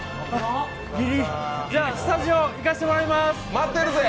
じゃ、スタジオ行かせてもらいます待ってるぜ！